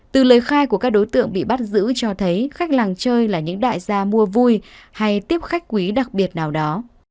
từ lời khai của các đối tượng bị bắt giữ cho thấy khách làng chơi là những đại gia mua vui hay tiếp khách quý đặc biệt nào đó